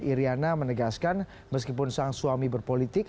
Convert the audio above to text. iryana menegaskan meskipun sang suami berpolitik